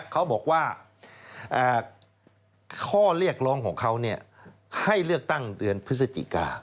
เขาบอกว่าข้อเรียกร้องของเขาให้เลือกตั้งเดือนพฤศจิกา